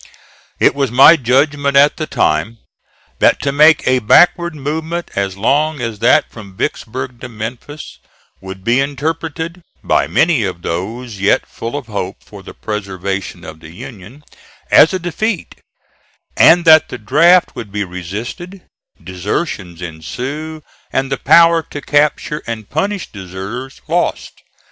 It was my judgment at the time that to make a backward movement as long as that from Vicksburg to Memphis, would be interpreted, by many of those yet full of hope for the preservation of the Union, as a defeat, and that the draft would be resisted, desertions ensue and the power to capture and punish deserters lost.